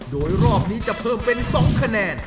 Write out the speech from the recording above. โดยรอบนี้จะเอ่งเป็นสองคะแนน